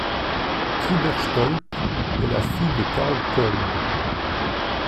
Ridderstolpe est la fille de Carl Kolbe.